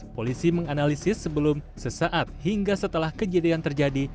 polisi menganalisis sebelum sesaat hingga setelah kejadian terjadi